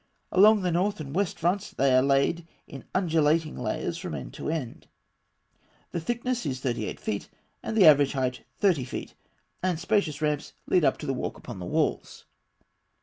Along the north and west fronts they are laid in undulating layers from end to end. The thickness is thirty eight feet, and the average height thirty feet; and spacious ramps lead up to the walk upon the walls.